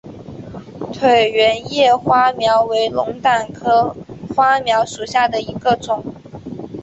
椭圆叶花锚为龙胆科花锚属下的一个种。